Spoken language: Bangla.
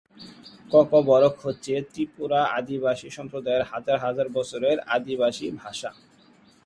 ককবরক হচ্ছে ত্রিপুরা আদিবাসী সম্প্রদায়ের হাজার হাজার বছরের আদিবাসী ভাষা।